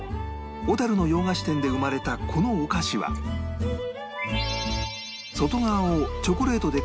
小樽の洋菓子店で生まれたこのお菓子は外側をチョコレートでコーティングした